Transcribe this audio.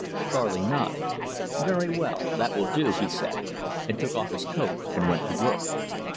Charley nodded. "Very well, that will do," he said, and took off his coat and went to work.